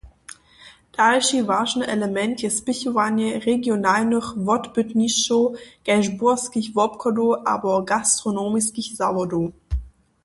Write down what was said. Dalši wažny element je spěchowanje regionalnych wotbytnišćow, kaž burskich wobchodow abo gastronomiskich zawodow.